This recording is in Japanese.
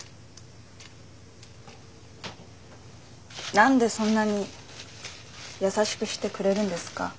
何でそんなに優しくしてくれるんですか？